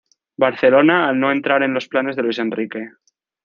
Barcelona al no entrar en los planes de Luis Enrique.